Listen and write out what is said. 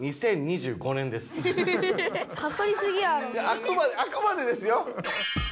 あくまであくまでですよ。